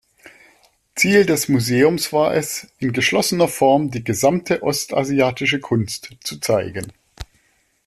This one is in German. Ziel des Museums war es, in geschlossener Form die gesamte ostasiatische Kunst zu zeigen.